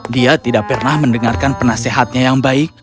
dia tidak pernah mendengarkan penasehatnya yang baik